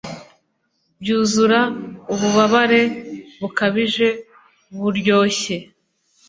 byuzura ububabare bukabije-buryoshye